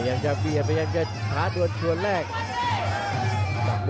เหยียบทั้งตัวคนแบบ